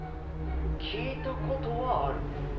うん聞いたことはある。